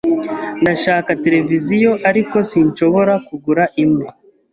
Ndashaka televiziyo, ariko sinshobora kugura imwe.